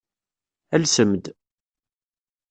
Alsem-d.